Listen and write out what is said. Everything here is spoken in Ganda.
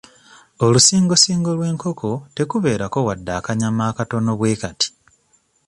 Olusingosingo lw'enkoko tekubeerako wadde akanyama akatono bwe kati.